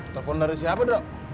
telepon dari siapa dok